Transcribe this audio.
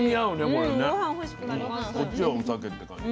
こっちはお酒って感じ。